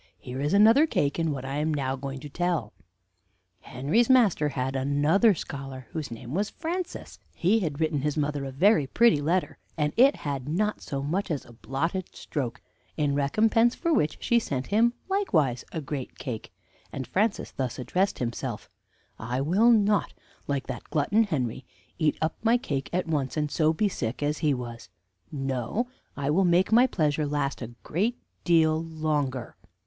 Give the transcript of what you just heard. Here is another cake in what I am now going to tell. "Henry's master had another scholar, whose name was Francis. He had written his mother a very pretty letter, and it had not so much as a blotted stroke; in recompense for which she sent him likewise a great cake, and Francis thus addressed himself: 'I will not, like that glutton Henry, eat up my cake at once, and so be sick as he was; no, I will make my pleasure last a great deal longer.'